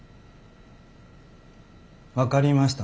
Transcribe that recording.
分かりましたね？